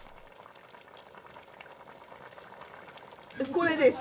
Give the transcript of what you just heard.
これです。